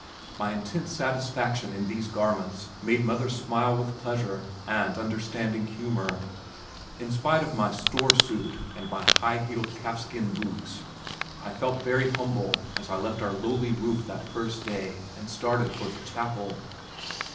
My intense satisfaction in these garments made mother smile with pleasure and understanding humor. In spite of my store suit and my high heeled calf skin boots I felt very humble as I left our lowly roof that first day and started for the chapel.